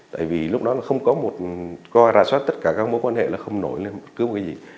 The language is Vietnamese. tại vì lúc đó là không có một có rà soát tất cả các mối quan hệ là không nổi lên cứ một cái gì